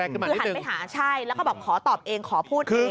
คือหันไปหาใช่แล้วก็บอกขอตอบเองขอพูดเอง